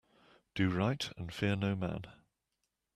Do right and fear no man.